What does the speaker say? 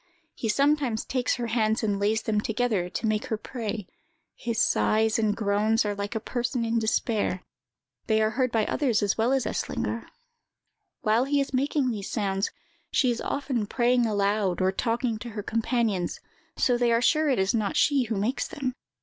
He sometimes takes her hands and lays them together, to make her pray. His sighs and groans are like a person in despair; they are heard by others as well as Eslinger. While he is making these sounds, she is often praying aloud, or talking to her companions, so they are sure it is not she who makes them.